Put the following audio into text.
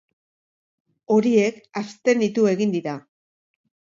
Horiek abstenitu egin dira.